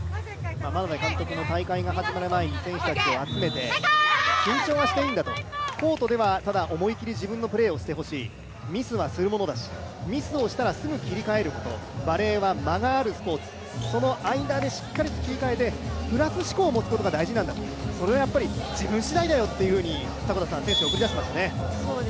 眞鍋監督も大会が始まる前に選手たちを集めて緊張はしていいんだと、ただ、コートでは自分のプレーをしてほしい、ミスはするものだし、ミスをしたら、すぐ切り替えることバレーは間があるスポーツ、その間でしっかり切り替えてプラス思考を持つことが大事なんだよ、それは自分次第なんだと選手を送り出していましたね。